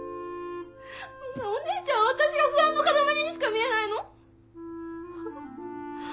お姉ちゃんは私が不安の塊にしか見えないの？は？